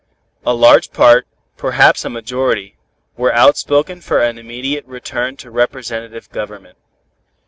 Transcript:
A large part, perhaps a majority, were outspoken for an immediate return to representative government.